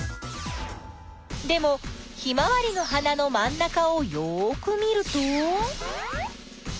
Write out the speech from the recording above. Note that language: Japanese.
でもヒマワリの花の真ん中をよく見ると。